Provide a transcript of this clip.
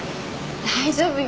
大丈夫よ。